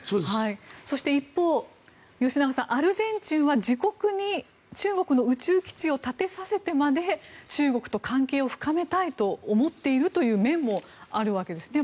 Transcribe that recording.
そして、一方、吉永さんアルゼンチンは自国に中国の宇宙基地を建てさせてまで中国と関係を深めたいと思っているという面もあるわけですね。